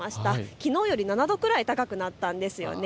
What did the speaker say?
きのうより７度ぐらい高くなったんです。